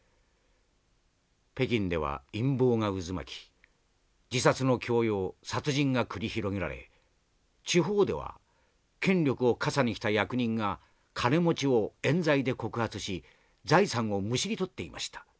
北京では陰謀が渦巻き自殺の強要殺人が繰り広げられ地方では権力をかさに着た役人が金持ちをえん罪で告発し財産をむしり取っていました。